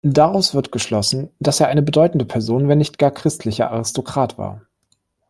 Daraus wird geschlossen, dass er eine bedeutende Person, wenn nicht gar christlicher Aristokrat war.